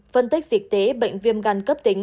phân tích dịch tế bệnh viêm gan cấp tính